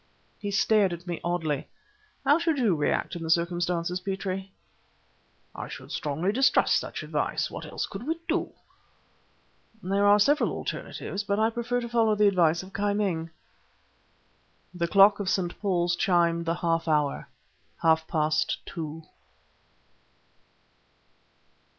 He stared at me oddly. "How should you act in the circumstances, Petrie?" "I should strongly distrust such advice. Yet what else can we do?" "There are several alternatives, but I prefer to follow the advice of Ki Ming." The clock of St. Paul's chimed the half hour: half past two.